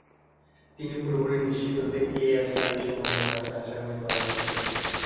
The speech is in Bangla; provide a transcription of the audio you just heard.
তিনি পুরোপুরি নিশ্চিত হতে এএসআই সুমনের কাছে আসামির বাবার নাম জানতে চান।